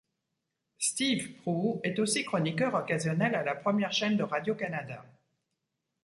Steve Proulx est aussi chroniqueur occasionnel à la Première Chaîne de Radio-Canada.